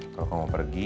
kalau kamu mau pergi